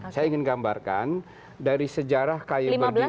saya ingin menggambarkan dari sejarah kayak berdiri